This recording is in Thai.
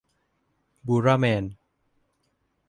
บูราแมน